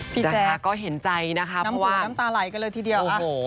พี่แจ๊กน้ำตาไหลกันเลยทีเดียว